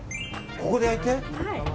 ここで焼いて？